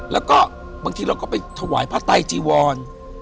แล้วก็บางทีเราก็ไปถวายพระไตจีวร